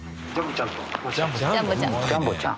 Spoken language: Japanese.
じゃんぼちゃん？